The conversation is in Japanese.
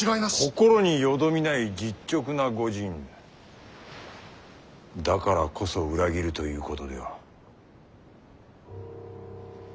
心によどみない実直な御仁だからこそ裏切るということでは。